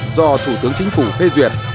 do thủ tướng chính phủ phê duyệt